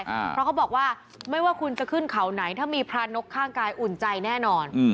เพราะเขาบอกว่าไม่ว่าคุณจะขึ้นเขาไหนถ้ามีพระนกข้างกายอุ่นใจแน่นอน